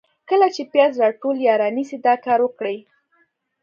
کله چي پیاز راټول یا رانیسئ ، دا کار وکړئ: